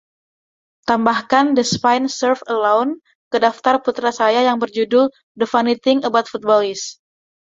tambahkan The Spine Surfs Alone ke daftar putra saya yang berjudul The Funny Thing About Football Is